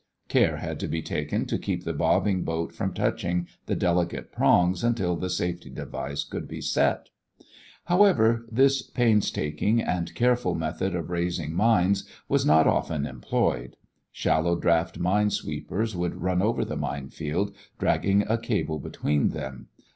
Care had to be taken to keep the bobbing boat from touching the delicate prongs until the safety device could be set. However, this painstaking and careful method of raising mines was not often employed. Shallow draft mine sweepers would run over the mine field, dragging a cable between them.